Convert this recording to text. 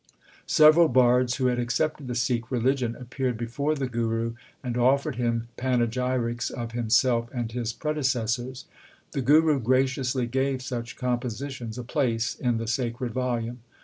Several bards who had accepted the Sikh religion appeared before the Guru, and offered him pane gyrics of himself and his predecessors. The Guru graciously gave such compositions a place in the sacred volume.